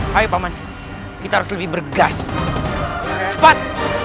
hai paman kita lebih bergas cepat